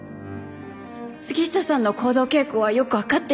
杉下さんの行動傾向はよくわかっているつもりです。